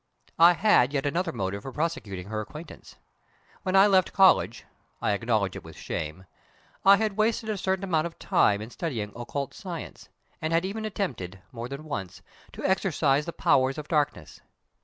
I had yet another motive for prosecuting her acquaintance. When I left college I acknowledge it with shame I had wasted a certain amount of time in studying occult science, and had even attempted, more than once, to exorcise the powers of darkness.